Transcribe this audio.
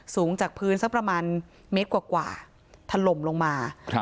สูงจากพื้นสักประมาณเมตรกว่าถล่มลงมา